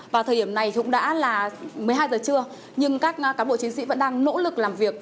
và thời điểm này thì cũng đã là một mươi hai h trưa nhưng các cán bộ chiến sĩ vẫn đang nỗ lực làm việc